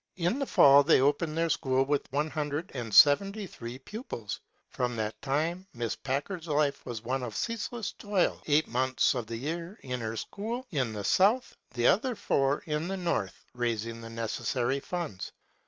In the fall they opened their school with one hundred and seventy three pupils. From that time Miss Packard's life was one of ceaseless toil ; eight months of the year in her school in the south, the other four in the north raising the necessary frinds.